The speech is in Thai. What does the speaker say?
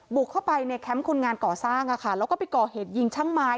บุกเข้าไปในแคมป์คนงานก่อสร้างแล้วก็ไปก่อเหตุยิงช่างไม้